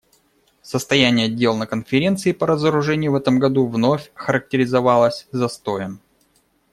Состояние дел на Конференции по разоружению в этом году вновь характеризовалось застоем.